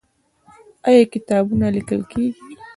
آیا کتابونه لیکل کیږي؟